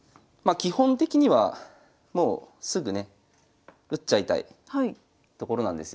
基本的にはもうすぐね打っちゃいたいところなんですよ。